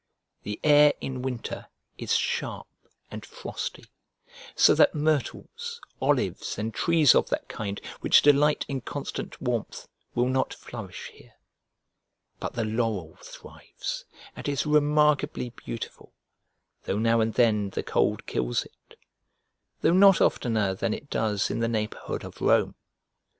The air in winter is sharp and frosty, so that myrtles, olives, and trees of that kind which delight in constant warmth, will not flourish here: but the laurel thrives, and is remarkably beautiful, though now and then the cold kills it though not oftener than it does in the neighbourhood of Rome.